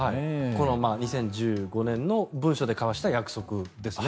この２０１５年の文書で交わした約束ですね。